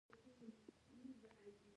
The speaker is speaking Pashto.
په تدریج سره داسې بنسټونه رامنځته شول.